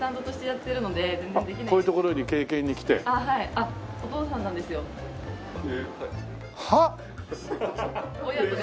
あっお父さんなんですよ。はあ！？親子で。